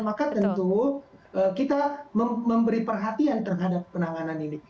maka tentu kita memberi perhatian terhadap penanganan ini